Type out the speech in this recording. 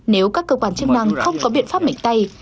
nếu các cơ quan chức năng không có biện pháp mạnh tay